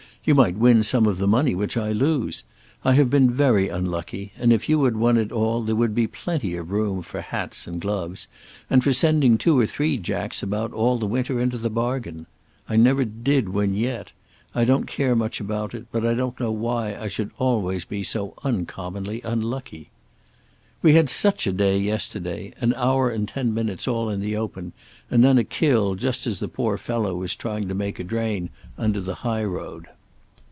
You might win some of the money which I lose. I have been very unlucky and, if you had won it all, there would be plenty of room for hats and gloves, and for sending two or three Jacks about all the winter into the bargain. I never did win yet. I don't care very much about it, but I don't know why I should always be so uncommonly unlucky. We had such a day yesterday, an hour and ten minutes all in the open, and then a kill just as the poor fellow was trying to make a drain under the high road.